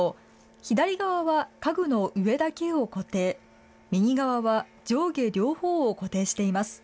左側は家具の上だけを固定、右側は上下両方を固定しています。